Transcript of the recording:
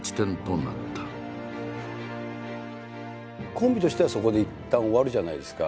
コンビとしてはそこでいったん終わるじゃないですか。